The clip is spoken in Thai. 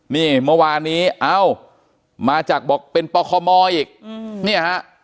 นี่เมื่อวานนี้เอ้ามาจากบอกเป็นปคมอีกเนี่ยฮะ